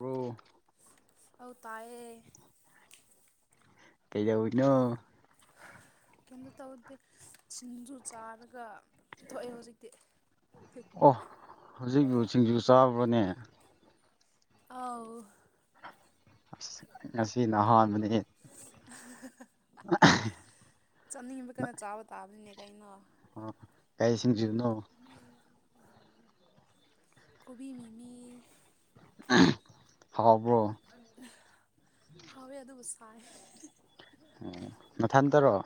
ꯔ ꯑꯧ ꯇꯌꯦ ꯀꯩꯗꯎꯅꯣ ꯀꯩꯝꯇ ꯇꯧꯗꯦ ꯁꯤꯡꯖꯨ ꯆꯥꯔꯒ ꯊꯣꯛꯑꯦ ꯍꯧꯖꯤꯛꯇꯤ ꯑꯣ ꯍꯧꯖꯤꯛꯕꯨ ꯁꯤꯡꯁꯤ ꯆꯥꯕꯅꯦ ꯑꯥꯎ ꯑ ꯉꯁꯤ ꯅ ꯑꯍꯥꯟꯕꯅꯦ ꯆꯠꯅꯤꯡꯉꯤꯕ ꯀꯩꯅ ꯆꯥꯕ ꯇꯥꯕꯅꯤꯅꯦ ꯀꯩꯅꯣ ꯀꯒꯥꯩꯁꯤꯡꯁꯤꯅꯣ ꯀꯕꯤ ꯃꯤꯃꯤꯜ ꯍꯕꯣ ꯍꯥꯎꯋꯦ ꯑꯗꯨꯕꯨ ꯁꯥꯏ ꯑꯣ ꯃꯊ ꯇꯔꯛꯑꯣ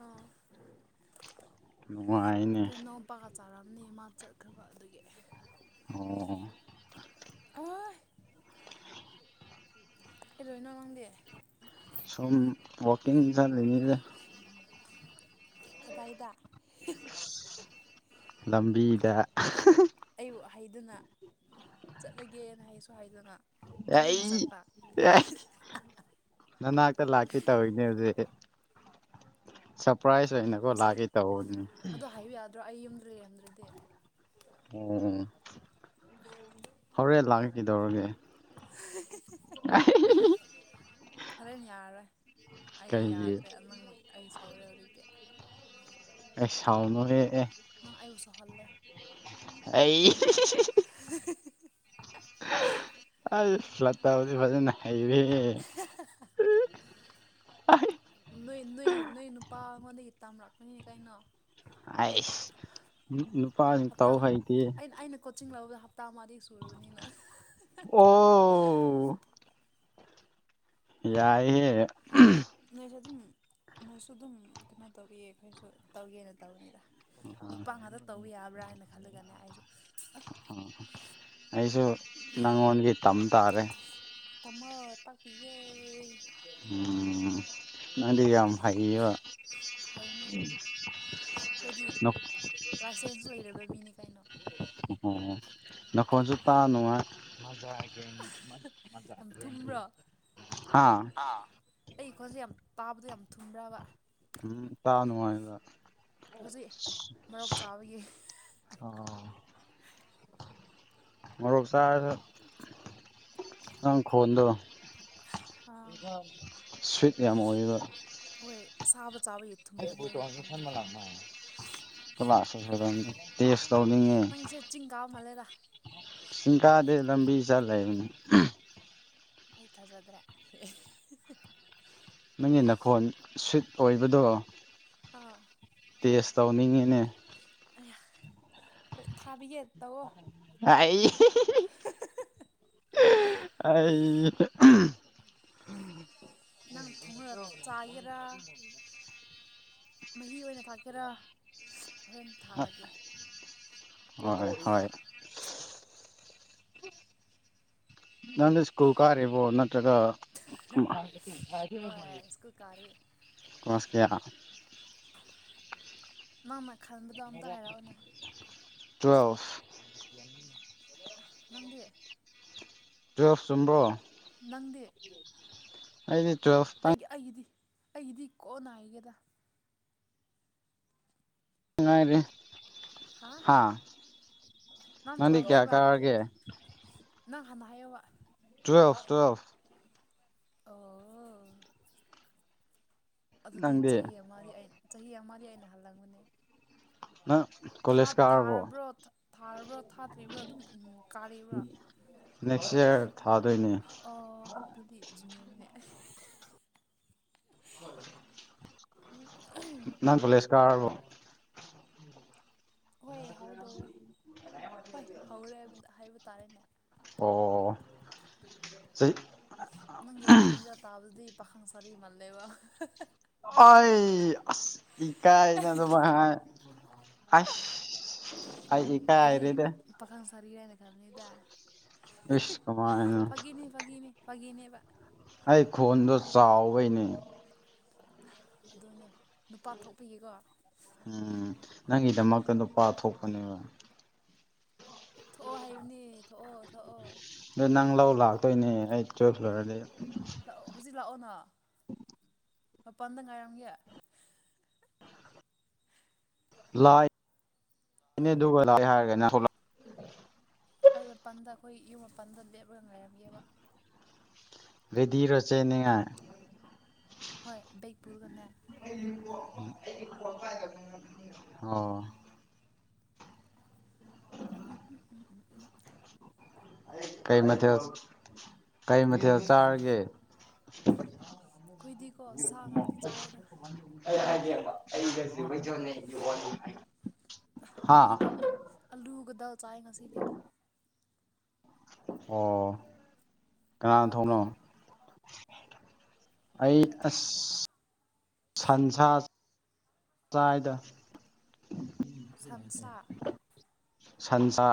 ꯑꯣ ꯅꯨꯡꯉꯅꯦ ꯆꯥꯔꯑꯝꯅꯤ ꯃꯥ ꯆꯠꯈ꯭ꯔꯕ ꯑꯗꯨꯒꯤ ꯑꯣ ꯑꯣꯏ ꯑꯦ ꯂꯣꯏꯅꯣ ꯋꯥꯗꯦ ꯁꯣꯝ ꯋꯥꯀꯤꯡ ꯆꯠꯉꯦ ꯈꯗꯥꯏꯗ ꯂꯝꯕꯤꯗ ꯑꯩꯕꯨ ꯍꯥꯏꯗꯅ ꯆꯠꯂꯒꯦꯅ ꯍꯥꯏꯁꯨ ꯍꯥꯏꯗꯅ ꯇꯨꯃꯤꯟꯅ ꯑꯩ ꯆꯠꯄ ꯅꯅꯥꯛꯇ ꯂꯥꯛꯄꯤꯏ ꯇꯧꯅꯦ ꯍꯧꯖꯤꯦ ꯁꯔꯄ꯭ꯔꯥꯏꯁ ꯑꯣꯏꯅꯀꯣ ꯉꯁꯥꯏ ꯂꯒꯦ ꯇꯧꯕ ꯇ꯭ꯔꯦꯟꯗ꯭ꯔꯗꯤ ꯑꯣꯝ ꯍꯔꯦ ꯂꯥꯛ ꯀꯗꯧꯔꯒ ꯍꯣꯔꯦꯟ ꯌꯥꯔꯣꯏ ꯑꯩ ꯀꯩꯒꯤ ꯌꯥꯗ꯭ꯔꯦ ꯅ ꯅꯪꯨꯛ ꯑꯩ ꯁꯧꯔꯦ ꯍꯧꯖꯤꯛꯇꯤ ꯑꯦ ꯁꯥꯎꯅꯔꯦ ꯑꯦ ꯅꯪ ꯑꯩꯕꯨ ꯁꯥꯎꯍꯜꯂꯦ ꯑꯩ ꯑ ꯐꯠꯇꯗꯤ ꯐꯖꯅ ꯏꯕꯤ ꯑ ꯅꯣꯏ ꯅꯣꯏ ꯅꯣꯏ ꯅꯨꯄꯥꯉꯣꯟꯗꯒꯤ ꯇꯝꯔꯛꯄꯅꯤꯅꯦ ꯀꯩꯅꯣ ꯑꯩꯁ ꯅꯨꯄꯥꯁꯤꯡ ꯇꯥꯎ ꯍꯩꯇꯦ ꯇꯃꯗꯤ ꯁꯨꯔꯕꯅꯤꯅ ꯑꯣ ꯌꯥꯏꯍꯦ ꯅꯣꯏꯁꯨ ꯑꯗꯨꯝ ꯅꯣꯏꯁꯨ ꯑꯗꯨꯝ ꯀꯩꯅꯣ ꯇꯧꯋꯦ ꯑꯩꯈꯣꯏꯁꯨ ꯇꯧꯒꯦꯅ ꯇꯧꯕꯅꯤꯔ ꯅꯨꯄꯥ ꯉꯥꯛꯇ ꯇꯧꯕ ꯌꯥꯕ꯭ꯔꯥ ꯍꯥꯏꯅ ꯈꯜꯂꯒꯅꯦ ꯑꯩꯁꯨ ꯑ ꯑꯩꯁꯨ ꯅꯪꯉꯣꯟꯒꯤ ꯇꯝ ꯇꯥꯔꯦ ꯇꯃ ꯇꯥꯛꯄꯤꯌꯦ ꯎꯝ ꯅꯪꯗꯤ ꯌꯥꯝ ꯍꯩꯕ ꯍꯥꯏꯕꯅꯦ ꯑꯩꯈꯣꯏꯗꯤ ꯂꯥꯏꯁꯦꯟꯁ ꯂꯩꯔꯕ ꯃꯤꯅꯤ ꯀꯩꯅꯣ ꯑꯣ ꯅ ꯈꯣꯖꯄ ꯅ ꯌꯥꯝ ꯊꯨꯝꯕ꯭ꯔꯣ ꯍꯥꯥ ꯇꯥꯕꯗꯨ ꯌꯥꯝ ꯊꯨꯝꯕ꯭ꯔꯕ ꯎꯝ ꯇꯥ ꯅꯨꯡꯉꯥꯏꯕ ꯍꯧꯖꯤꯛ ꯃꯔꯣꯛ ꯆꯥꯕꯒꯤ ꯃꯔꯣꯔꯨꯞ ꯆꯥ ꯅꯪ ꯈꯣꯟꯗꯣ ꯑꯥ ꯁ꯭ꯋꯤꯠ ꯌꯥꯝ ꯑꯣꯏꯕ ꯍꯣꯏ ꯑꯁꯥꯕ ꯆꯥꯕꯒꯤ ꯊꯨꯝꯕꯅꯦ ꯑꯩꯒꯤ ꯋꯥ ꯈꯣꯟꯗꯣ ꯐꯅ ꯂꯥꯛꯅꯨꯡ ꯆꯂꯁ ꯁ ꯇꯦꯁ ꯇꯧꯅꯤꯡꯉꯦ ꯅꯪꯁꯦ ꯆꯤꯡ ꯀꯥꯕ ꯃꯥꯜꯂꯦꯗ ꯤꯡꯀꯥꯗꯦ ꯂꯝꯕꯤ ꯆꯠꯂꯕꯅꯤ ꯑꯩ ꯊꯥꯖꯗ꯭ꯔꯦ ꯅꯪꯒꯤ ꯅꯈꯣꯟ ꯁ꯭ꯋꯤꯠ ꯑꯣꯏꯕꯗꯣ ꯑꯥ ꯇꯦꯁ ꯇꯧꯅꯤꯡꯉꯤꯅꯦ ꯑ ꯊꯥꯕꯤꯦ ꯇꯑꯣ ꯑꯩ ꯑꯩ ꯅꯪ ꯊꯣꯡꯅꯂ ꯆꯥꯒꯦꯔꯥ ꯃꯍꯤ ꯑꯣꯏꯅ ꯊꯥꯛꯀꯦꯔꯥ ꯍꯣꯔꯦꯟ ꯊꯥꯔꯒꯦ ꯍꯣꯏ ꯍꯣꯏ ꯅꯪꯅ ꯁ꯭ꯀꯨꯜ ꯀꯥꯔꯤꯕꯣ ꯅꯠꯇ꯭ꯔꯒ ꯍꯣꯏ ꯁ꯭ꯀꯨꯜ ꯀꯥꯔꯤ ꯀꯣꯁꯀꯦꯌꯥ ꯅꯪꯅ ꯈꯟꯕꯗꯣ ꯑꯝꯇ ꯍꯥꯏꯔꯛꯑꯣꯅꯦ ꯇ꯭ꯨꯋꯦꯜꯐ ꯂꯗꯤꯦ ꯇꯨꯌꯦꯜꯐ ꯆꯨꯝꯕ꯭ꯔꯣ ꯅꯪꯗꯦ ꯑꯩꯗꯤ ꯇꯨꯋꯦꯜꯐꯇꯪ ꯑꯩꯒꯤ ꯑꯩꯒꯤꯗꯤ ꯑꯩꯒꯤꯗꯤ ꯀꯣꯛꯅꯥꯏꯒꯦꯗ ꯁꯉꯥꯏ ꯍꯥ ꯍꯥꯥ ꯅꯪ ꯉꯗꯤ ꯀꯌꯥ ꯀꯥꯒꯦ ꯍꯅꯥ ꯋꯥ ꯇꯨꯋꯦꯜꯞꯊ ꯇꯨꯋꯦꯜꯞꯊ ꯑꯣ ꯑꯗꯨꯗꯤ ꯅꯪꯗꯤ ꯆꯍꯤ ꯑꯃꯗꯤ ꯆꯍꯤ ꯑꯃꯗꯤ ꯑꯩꯅ ꯍꯜꯂꯝꯕꯅꯦ ꯅꯪ ꯀꯣꯂꯦꯖ ꯀꯥꯔꯕꯣ ꯊꯥꯔꯕ꯭ꯔꯣ ꯊꯥꯔꯕ꯭ꯔꯣ ꯊꯥꯗ꯭ꯔꯤꯕ꯭ꯔꯥ ꯑꯗꯨꯝ ꯀꯥꯔꯤꯕ꯭ꯔꯥ ꯅꯦꯛꯁꯔ ꯑꯣ ꯑꯗꯨꯗꯤ ꯨꯅꯤꯌꯥꯒꯤ ꯍ ꯃꯤ ꯅꯪ ꯀꯂꯦꯖ ꯀꯥꯔꯔꯕꯣ ꯍꯣꯏ ꯍꯧꯗꯣꯔꯦ ꯍꯣꯏ ꯍꯧꯔꯦꯕꯗ ꯍꯥꯏꯕ ꯇꯥꯔꯦꯅꯦ ꯑꯣ ꯁꯤ ꯅꯪꯒꯤ ꯈꯨꯟꯖ ꯇꯥꯕꯗꯤ ꯄꯥꯈꯪ ꯐꯔꯤ ꯃꯂꯦ ꯋꯥ ꯑ ꯏꯀꯥꯏꯅ ꯇꯃ ꯍ ꯑꯁ ꯑꯩ ꯀꯥꯏ ꯍꯥꯏꯔꯦꯗ ꯐꯔꯤꯒꯏꯅ ꯀꯗꯅꯤꯗ ꯁꯀꯨꯃꯥꯅ ꯐꯒꯤꯅꯦꯕ ꯑꯩ ꯈꯣꯟꯗꯣ ꯆꯥꯎꯕꯩꯅꯦ ꯑꯗꯨꯅꯦ ꯅꯨꯄꯥ ꯊꯣꯛꯄꯤꯒꯦꯀꯣ ꯎꯝ ꯅꯪꯒꯤꯗꯃꯛꯇ ꯅꯨꯣꯄꯥ ꯊꯣꯛꯣꯛꯄꯅꯦꯕ ꯊꯣꯛꯑꯣ ꯍꯥꯏꯕꯅꯦ ꯊꯣꯛꯑꯣ ꯊꯣꯛꯑꯣ ꯑꯣꯏ ꯅꯪ ꯂꯧ ꯂꯥꯛꯇꯣꯏꯅꯦ ꯑꯩ ꯇꯨꯋꯦꯜꯞ ꯐ꯭ꯂꯣꯏꯔꯗꯤ ꯖꯤ ꯂꯥꯛꯑꯣꯅ ꯎ ꯃꯄꯥꯟꯗ ꯉꯥꯏꯝꯒꯤ ꯂꯥꯛꯅꯦ ꯑꯗꯨꯒ ꯂꯥꯛ ꯍꯥꯏꯔꯒ ꯑꯩ ꯃꯄꯜꯗ ꯑꯩꯈꯣꯏ ꯌꯨꯝ ꯃꯥꯄꯜꯗ ꯂꯦꯞꯂꯒ ꯉꯥꯏꯔꯝꯒꯦꯕ ꯔꯦꯗꯤꯔꯣ ꯆꯦꯅꯤꯡꯉꯥꯏ ꯍꯣꯏ ꯕꯦꯛ ꯄꯨꯔꯥꯒꯅ [unintelligible] ꯎꯝ ꯎꯝ ꯎꯝ [inaudible] ꯀꯩ ꯃꯊꯦꯜ ꯀꯩ ꯃꯊꯦꯜ ꯆꯥꯔꯒꯦ [unintelligible] ꯈꯣꯏꯗꯤꯀꯣ ꯑꯩ ꯍꯥꯏꯒꯕ ꯑꯩꯒꯁꯨ ꯀꯣꯏꯖꯣꯅꯦ ꯋꯥ ꯍꯥꯏꯈꯤꯗꯕꯅꯦ ꯑꯂꯨꯒꯗ ꯆꯥꯏ ꯉꯁꯤꯗꯤ ꯑꯣ ꯀꯅꯥꯅ ꯅꯪꯗꯤ ꯊꯣꯡꯅꯣ ꯑꯩ ꯑꯩꯅ ꯊꯣꯡꯈ꯭ꯔꯦ ꯑꯁ ꯁꯟꯁꯥ ꯆꯥꯏꯗ ꯁꯟꯁꯥ ꯁꯟꯁꯥ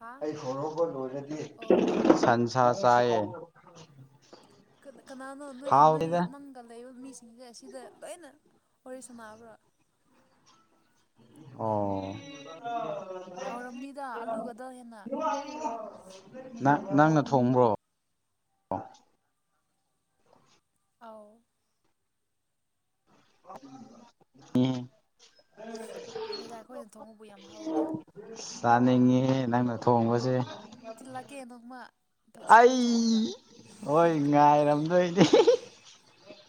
ꯍꯥ ꯑꯩ ꯍꯣꯡꯍꯕ ꯂꯣꯏꯔꯗꯤ ꯑꯣ ꯑꯣ ꯁꯟꯁꯥ ꯆꯥꯏꯌꯦ ꯀꯅꯥꯅꯣ ꯅꯣꯏ ꯅꯣꯏ ꯍꯥꯎꯇꯦꯗ ꯅꯪꯒ ꯂꯩ ꯃꯤꯁꯦ ꯁꯦ ꯁꯤꯗ ꯂꯣꯏꯅ ꯋꯥꯔꯤ ꯁꯥꯟꯅꯕ꯭ꯔꯥ ꯑꯣ ꯍꯧꯎꯔꯝꯅꯤꯗ ꯑꯂꯨꯒꯗꯣ ꯍꯦꯟꯅ ꯅꯪ ꯅꯪꯅ ꯊꯣꯡꯕ꯭ꯔꯣ ꯑꯥꯎ ꯎꯝ ꯍꯗ ꯑꯩꯈꯣꯏꯅ ꯊꯣꯡꯉꯕꯨ ꯌꯥꯝ ꯍꯧꯅꯤ ꯆꯥꯅꯤꯡꯉꯤ ꯅꯪꯅ ꯊꯣꯡꯕꯁꯦ ꯂꯥꯛꯀꯦ ꯅꯣꯡꯃ ꯐꯖꯅ ꯊꯣꯡꯔꯒ ꯑꯩ ꯍꯣꯏ ꯉꯥꯏꯔꯝꯗꯣꯏꯅꯦ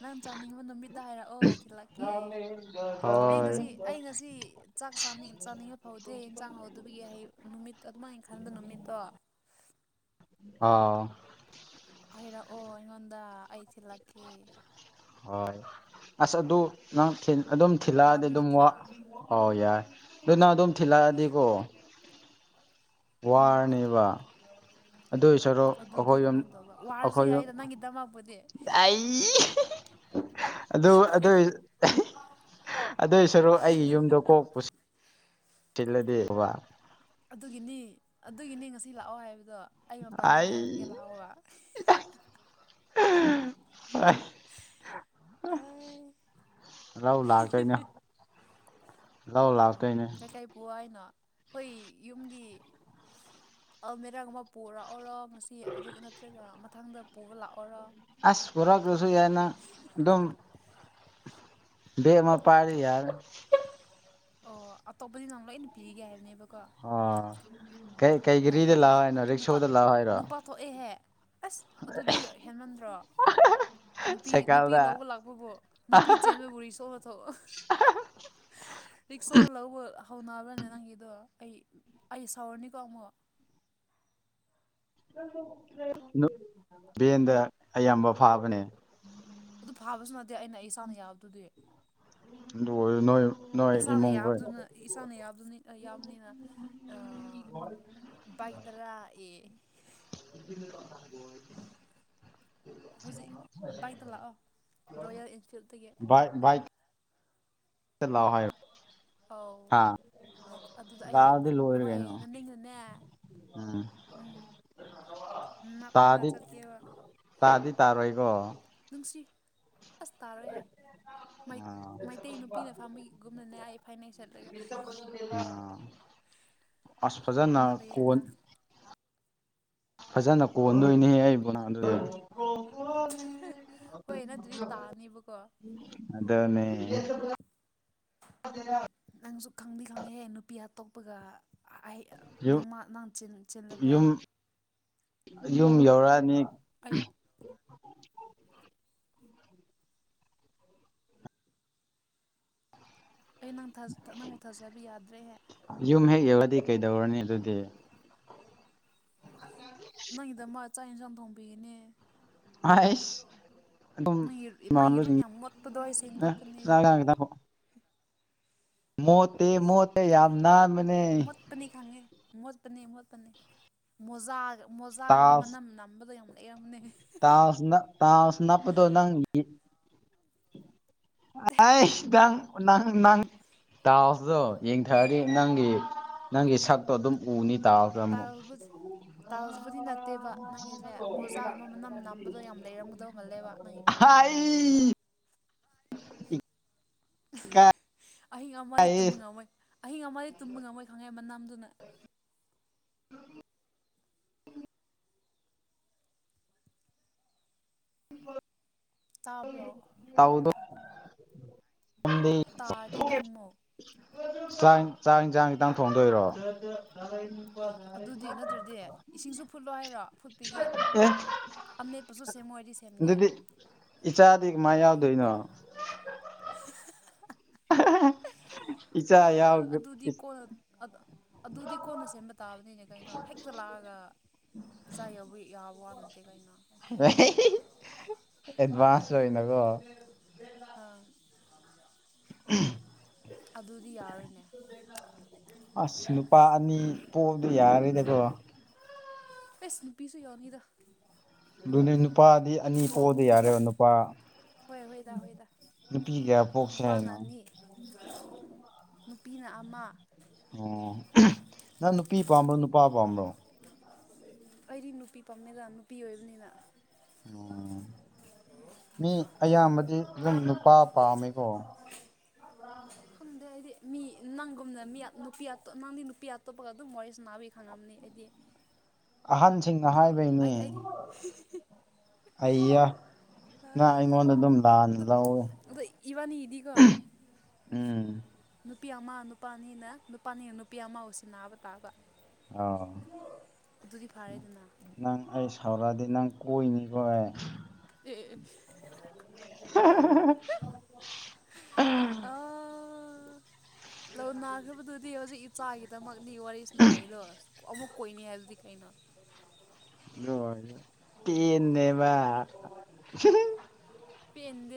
ꯅꯪ ꯆꯥꯅꯤꯡꯉꯤꯕ ꯅꯨꯃꯤꯠꯇ ꯍꯥꯏꯔꯛ ꯑꯣ ꯊꯤꯜꯂꯛ [unintelligible] ꯑꯩ ꯉꯁꯤ ꯑꯩ ꯉꯁꯤ ꯆꯥꯛꯅꯤꯡ ꯆꯥꯅꯤꯡꯕ ꯐꯥꯎꯗꯦ ꯌꯦꯟꯁꯥꯡ ꯍꯥꯎꯗꯕꯒꯤ ꯍ ꯅꯨꯃꯤꯠꯇ ꯑꯗꯨꯃꯥꯏꯅ ꯈꯟꯕ ꯅꯨꯃꯤꯠꯇꯣ ꯑ ꯍꯥꯏꯔꯛꯑꯣ ꯑꯩꯉꯣꯟꯗ ꯑꯩ ꯊꯤꯜꯂꯛꯀꯦ ꯍꯣꯏ ꯑꯁ ꯑꯗꯨ ꯅꯪ ꯑꯗꯨꯝ ꯊꯤꯜꯂꯛꯑꯗꯤ ꯌꯥꯕ ꯑꯗꯨꯝ ꯅꯠꯇ꯭ꯔꯣ ꯑꯣ ꯌꯥꯏ ꯑꯗꯨ ꯅ ꯑꯗꯨꯝ ꯊꯤꯜꯂꯛꯑꯗꯤꯀꯣ ꯎꯝ ꯋꯥꯔꯅꯦꯕ ꯑꯗꯨ ꯑꯣꯏ ꯁꯔꯣ ꯑꯗꯨꯗꯤ ꯑꯩꯈꯣꯏ ꯌꯨꯝ ꯀꯃꯥꯏꯅ ꯇꯧꯕ ꯋꯥꯔꯁꯨ ꯑꯩꯈꯣꯏ ꯌꯨꯝ ꯌꯥꯏꯗ ꯅꯪꯒꯤꯗꯃꯛꯄꯨꯗꯤ ꯑꯩ ꯑꯗꯨ ꯑꯗꯨ ꯑꯗꯨꯏ ꯁꯔꯨꯛ ꯑꯩꯒꯤ ꯌꯨꯝꯗ ꯀꯣꯛ ꯄꯨꯁꯤ ꯁꯤꯟꯂꯅꯤꯕ ꯑꯗꯨꯒꯤꯅꯤ ꯑꯗꯨꯒꯤꯅꯤ ꯉꯁꯤ ꯂꯥꯛꯑꯣ ꯍꯥꯏꯕꯗꯣ ꯑꯩ ꯃꯄꯥꯟꯗ ꯑꯩ ꯉꯥꯏꯔꯒꯦ ꯂꯥꯛꯑꯣꯕ ꯑꯩ ꯂꯧ ꯂꯥꯛꯇꯣꯏꯅꯦ ꯂꯧ ꯑꯧ ꯂꯥꯛꯇꯣꯏꯅꯦ ꯀꯩ ꯀꯩ ꯄꯨ ꯍꯥꯏꯅꯣ ꯑꯩꯈꯣꯏ ꯌꯨꯝꯒꯤ ꯑ ꯃꯔꯛ ꯑꯃ ꯄꯨꯔ ꯑꯣꯔꯣ ꯉꯁꯤ ꯑꯗꯨ ꯅꯠꯇ꯭ꯔꯒ ꯃꯊꯪꯗ ꯄꯨꯕ ꯂꯥꯛꯑꯣ ꯑꯁ ꯄꯨꯔꯛꯇꯔꯥꯁꯨ ꯌꯥꯏꯅ ꯑꯗꯨꯝ ꯕꯦꯛ ꯑꯃ ꯄꯥꯏꯔꯗꯤ ꯌꯥꯔꯦ ꯑꯣ ꯑꯇꯣꯞꯄꯗꯤ ꯅꯪ ꯂꯣꯏꯅ ꯄꯤꯒꯦ ꯍꯥꯏꯕꯅꯦꯕ ꯑꯣ ꯀꯩ ꯌꯥꯏ ꯀꯩꯀꯔꯤꯗ ꯑꯗꯨꯗꯤ ꯂꯥꯛꯑꯣ ꯍꯥꯏꯅꯣ ꯅꯨꯄꯥ ꯔꯤꯛꯁꯣꯗ ꯂꯥꯛꯑꯣ ꯍꯥꯏꯔꯣ ꯅꯨꯄꯥ ꯊꯣꯛꯑꯦꯍꯦ ꯑꯁ ꯑꯗꯨꯗꯤ ꯍꯦꯟꯃꯟꯗ꯭ꯔꯣ ꯅꯨꯄꯤ ꯅꯨꯄꯤ ꯁꯥꯏꯀꯜꯗ ꯂꯧꯕ ꯂꯥꯛꯄꯕꯨ ꯅꯨꯄꯤ ꯆꯦꯟꯕ ꯕꯨꯔꯤ ꯁꯣꯛꯑ ꯊꯣꯛꯑꯣ ꯔꯤꯛꯁꯅ ꯂꯧꯕ ꯍꯧꯅꯕ꯭ꯔꯅꯦ ꯅꯪꯒꯤꯗꯣ ꯑꯩ ꯑꯩ ꯁꯥꯎꯔꯅꯤꯀꯣ ꯑꯃꯨꯛ ꯚꯦꯟꯗ ꯑꯌꯥꯝꯕ ꯐꯥꯕꯅꯦ ꯑꯗꯨ ꯐꯥꯕꯁꯨ ꯅꯠꯇꯦ ꯑꯩꯅ ꯑꯩ ꯏꯁꯥꯅ ꯌꯥꯕꯗꯨꯗꯤ ꯅꯣꯏ ꯅꯣꯏ ꯏꯁꯥꯅ ꯏꯃꯨꯡ ꯍꯣꯏ ꯌꯥꯕꯗꯨꯅ ꯏꯁꯥꯅ ꯌꯥꯕꯗꯨꯅꯤ ꯌꯥꯕꯅꯤꯅ ꯒꯤ ꯇꯔꯒ ꯌꯦ [unintelligible] [inaudible] ꯍꯧꯖꯤꯛ ꯂꯥꯛꯑꫭ ꯔꫭꯌꯦꯜ ꯏꯟꯐꯤꯜꯇꯒꯤ ꯍꯥꯏ ꯑꯧ ꯍꯥꯥ ꯑꯗꯨꯗ ꯑꯩ ꯍꯣꯏ ꯅꯅꯤꯡꯅꯅꯦ ꯎꯝ ꯎꯝ ꯅꯞꯂꯒ ꯇꯥꯗꯤ ꯆꯠꯀꯦꯕ ꯇꯥꯗꯤ ꯇꯥꯔ ꯋꯥꯏ ꯅꯨꯡꯁꯤ ꯑꯁ ꯇꯥꯔꯣꯏꯦ ꯑꯥ ꯃꯩꯇꯩ ꯅꯨꯄꯤꯅ ꯐꯥꯕꯤ ꯒꯨꯝꯅꯅꯦꯌꯦ ꯐꯥꯏꯅꯥꯁꯤ ꯆꯠꯂꯒ ꯑꯥ ꯑꯁ ꯐꯖꯅ ꯀꯣꯟ ꯐꯖꯅ ꯀꯣꯟꯗꯣꯏꯅꯦꯍꯦ ꯑꯩꯕꯨꯅꯥ ꯑꯗꯨꯗ ꯍꯣꯏ ꯅ ꯅꯠꯇꯔꯥꯗꯤ ꯇꯥꯅꯤꯕꯀꯣ ꯑꯗꯨꯅꯦ ꯅꯪꯁꯨ ꯈꯪꯗꯤ ꯈꯪꯉꯦꯍꯦ ꯅꯨꯄꯤ ꯑꯇꯣꯞꯄꯒ ꯑꯩ ꯌꯨꯝ ꯅꯣꯡꯃ ꯅ ꯆꯤꯂꯦꯕꯣ ꯌꯨꯝ ꯌꯨꯝ ꯌꯧꯔꯛꯑꯅꯤ ꯑꯩ ꯑꯩ ꯅꯪ ꯅꯪꯕꯨ ꯊꯥꯖꯕ ꯌꯥꯗ꯭ꯔꯦꯍꯦ ꯌꯧꯔꯛꯂꯗꯤ ꯀꯩꯗꯧꯔꯅꯤ ꯑꯗꯨꯗꯤ ꯅꯪꯒꯤ ꯗꯃꯛ ꯆꯥꯛ ꯌꯦꯟꯁꯥꯡ ꯊꯣꯡꯕꯤꯒꯅꯦ ꯑꯁ ꯅ ꯏꯔꯝ ꯌꯥꯝ ꯃꯠꯇꯗꯣꯁꯗꯣ ꯑꯦ ꯀꯅꯦ ꯃꯣꯇ ꯃꯣꯇ ꯌꯥꯝꯅꯥ ꯃ ꯃꯣꯠꯐꯅꯤ ꯈꯪꯉꯤ ꯃꯣꯠꯇꯅꯤ ꯃꯣꯠꯇꯅꯤ ꯃꯣꯖꯥ ꯃꯣꯖꯥꯒꯨꯝꯕ ꯃꯅꯝ ꯅꯝꯕꯗ ꯌꯥꯝ ꯂꯩꯔꯝꯅꯦ ꯇꯥꯅ ꯇꯥ ꯅꯅꯥꯞꯄ ꯇꯣꯅꯪ ꯑꯁ ꯅꯪ ꯅꯪ ꯅꯪ ꯇꯥꯎꯁꯤꯗꯣ ꯌꯦꯡꯊꯔꯔꯤ ꯅꯪꯒꯤ ꯅꯪꯒꯤ ꯁꯛꯇꯣ ꯑꯗꯨꯝ ꯎꯅꯤ ꯇꯥꯎ ꯐꯃꯣ ꯇꯜꯖꯕꯨꯨꯗꯤ ꯅꯠꯇꯦꯕ ꯅꯪꯒꯤꯁꯦ ꯃꯣꯖꯥꯒꯨꯝꯕ ꯃꯅꯝ ꯅꯝꯕꯗꯣ ꯌꯥꯝꯅ ꯂꯩꯔꯝꯒꯗꯧ ꯃꯥꯜꯂꯦꯕ ꯅꯪꯒꯤ ꯀꯥ ꯏ [unintelligible] ꯏꯀꯥꯏꯌꯦ ꯑꯍꯤꯡ ꯉꯃ ꯑꯗꯩ ꯇꯨꯝꯕ ꯉꯝꯃꯣꯏ ꯑꯍꯤꯡ ꯉꯋꯥꯗꯤ ꯇꯨꯝꯕ ꯉꯝꯃꯣꯏ ꯈꯪꯉꯩ ꯃꯅꯝꯗꯨꯅ ꯍ ꯇꯥꯕ꯭ꯔꯣ ꯇꯥꯗꯤ ꯈꯨꯨꯝꯃꯣ ꯆꯥꯡ ꯆꯥꯛ ꯏꯟ ꯆꯥꯡ ꯈꯤꯇꯪ ꯊꯣꯡꯗꯣꯏꯔꯣ ꯑꯗꯨꯗꯤ ꯅꯠꯇ꯭ꯔꯗꯤ ꯏꯁꯤꯡꯁꯨ ꯐꯨꯠꯂꯣ ꯍꯥꯏꯔꯣ ꯐꯨ ꯑꯒꯤ ꯑꯦ ꯑꯃꯦꯠꯄꯁꯨ ꯁꯦꯝꯃꯣꯏꯗꯤ ꯁꯦꯝꯒꯦ ꯑꯗꯨꯗꯤ ꯏꯆꯥꯗꯤ ꯀꯃꯥꯏ ꯌꯥꯎꯗꯣꯏꯅꯣ ꯑ ꯏꯆꯥ ꯌꯥꯎꯒ ꯑꯗꯨꯗꯤ ꯀꯣꯟꯅ ꯑꯗꯨꯗꯤ ꯀꯣꯟꯅ ꯁꯦꯝꯕ ꯇꯥꯕꯅꯤꯅꯦ ꯀꯩꯅꯣ ꯍꯦꯛꯇ ꯂꯥꯛꯑꯒ ꯉꯁꯥꯏꯕꯨ ꯌꯥꯕ ꯋꯥ ꯅꯠꯇꯦ ꯀꯩꯅ ꯑꯦꯗꯚꯁ ꯑꯣꯏꯅꯀꯣ ꯑ ꯑꯗꯨ ꯑꯗꯨꯗꯤ ꯌꯥꯔ‌ꯣꯏ ꯑꯁ ꯅꯨꯄꯥ ꯑꯅꯤ ꯄꯣꯛꯕꯗꯤ ꯌꯥꯔꯦꯗꯀꯣ ꯑꯁ ꯅꯨꯄꯤꯁꯨ ꯌꯥꯎꯅꯤꯗ ꯑꯗꯨꯅꯦ ꯅꯨꯄꯥꯗꯤ ꯑꯅꯤ ꯄꯣꯛꯑꯗ ꯌꯥꯔꯦꯕ ꯅꯨꯄꯥ ꯍꯣꯏ ꯍꯣꯏꯗ ꯍꯣꯏꯗ ꯅꯨꯄꯤ ꯀꯌꯥ ꯄꯣꯛꯁꯦ ꯍꯥꯏꯅꯣ ꯅꯨꯄꯥꯅꯅꯤ ꯅꯨꯄꯤꯅ ꯑꯃ ꯑꯣ ꯅꯪ ꯅꯨꯄꯤ ꯄꯥꯝꯕ꯭ꯔꯣ ꯅꯨꯄꯥ ꯄꯥꯝꯕ꯭ꯔꯣ ꯑꯩꯗꯤ ꯅꯨꯄꯤ ꯄꯥꯝꯃꯦꯗ ꯅꯨꯄꯤ ꯑꯣꯏꯕꯅꯤꯅ ꯎ ꯃꯤ ꯑꯌꯥꯝꯕꯗꯤ ꯑꯗꯨ ꯄꯥ ꯄ ꯑꯃꯝ ꯀꯣ ꯈꯪꯗꯦ ꯑꯩꯗꯤ ꯃꯤ ꯅꯪꯒꯨꯝꯅ ꯃꯤ ꯅꯨꯄꯤ ꯅꯪꯗꯤ ꯅꯨꯄꯤ ꯑꯇꯣꯞꯄꯒ ꯑꯗꯨꯝ ꯃꯣꯔꯦꯁ ꯅꯥꯕꯤ ꯈꯪꯉꯝꯅꯤ ꯑꯗꯨꯗꯤ ꯑꯍꯟꯁꯤꯡꯅ ꯍꯥꯏꯕꯩꯅꯤ ꯑꯩꯗꯤ ꯑꯩꯌꯥ ꯅꯪ ꯑꯩꯉꯣꯟꯗ ꯑꯗꯨꯝ ꯂꯥꯟꯅ ꯂꯧꯏ ꯄꯅꯤꯍꯤꯗꯤꯒ ꯅꯨꯄꯤ ꯑꯃ ꯅꯨꯄꯥꯅꯤꯅ ꯅꯨꯄꯥꯅꯤꯅ ꯅꯨꯄꯤ ꯑꯃꯕꯨꯁꯤ ꯅꯥꯕ ꯇꯥꯕ ꯑ ꯑꯗꯨꯗꯤ ꯐꯥꯔꯦꯗꯅ ꯁꯥꯎꯔꯛꯑꯗꯤ ꯅꯪ ꯀꯣꯏꯅꯤꯀꯣꯑꯩ ꯑ‌ꯦ ꯑ‌ꯦ ꯑ‌ꯦ ꯎꯝ ꯑꯥ [unintelligible] ꯂꯧ ꯅꯥꯈ꯭ꯔꯕꯗꯨꯗꯤ ꯍꯧꯖꯤꯛ ꯏꯆꯥꯒꯤꯗꯃꯛꯗꯤ ꯋꯥꯔꯤ ꯁꯅꯥꯏꯗꯣ ꯑꯃꯨꯛ ꯀꯣꯏꯏꯅꯤ ꯍꯥꯏꯕꯗꯤ ꯀꯩꯅꯣ ꯎ ꯇ‌ꯦꯟꯅ‌ꯦꯕ [unintelligible] ꯄꯤꯟ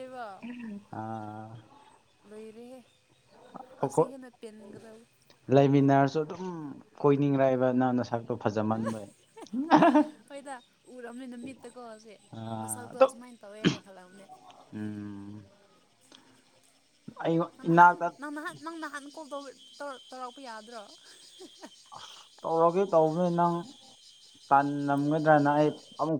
ꯑꯥ ꯂꯩꯔꯦꯂ‌ꯦ ꯑꯁꯤ ꯑꯩꯈꯣꯏ ꯍ‌ꯦꯅ ꯄꯤꯟꯒꯗꯧꯕ ꯂꯩꯃꯤꯟꯅꯔꯁꯨ ꯑꯗꯨꯝ ꯀꯣꯏꯅꯤꯡꯔꯏꯕ ꯅꯅꯥ ꯅꯁꯛꯇꯣ ꯐꯖꯃꯟꯕꯩ ꯍꯣꯏꯗ ꯎꯔꯕꯅꯤꯅ ꯃꯤꯠꯇꯀꯣꯁꯦ ꯑꯥ ꯃꯁꯛꯇꯣ ꯑꯗꯨꯝ ꯑꯨꯃꯥꯏꯅ ꯇꯧꯋꯦ ꯍꯥꯏꯅ ꯈꯜꯂꯝꯕꯅꯦ ꯎꯝ ꯑꯩꯉ‌ꯣꯟ ꯅꯪ ꯅꯍꯥꯟ ꯏꯟꯥꯛꯇ ꯅꯪ ꯅꯍꯥꯟ ꯅꯪ ꯅꯍꯥꯟ ꯀꯣꯜ ꯇꯧꯔꯛꯄ ꯌꯥꯗ꯭ꯔꯣ ꯑꯁ ꯇꯧꯔꯒꯦ ꯇꯧꯕꯅꯤ ꯅꯪ ꯇꯥꯟ ꯅꯝꯒꯗ꯭ꯔꯅ ꯑꯩ ꯑꯃꯨꯛ